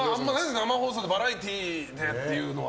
生放送のバラエティーでっていうのは。